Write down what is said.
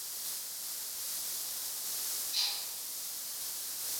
বৃষ্টি থেমে যাওয়ায় চতুর্থ দিনের খেলা মাঠে গড়ানোর একটা সম্ভাবনা দেখা যাচ্ছে।